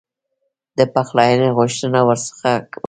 د پخلایني غوښتنه ورڅخه وکړه.